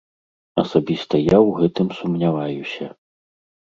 Асабіста я ў гэтым сумняваюся.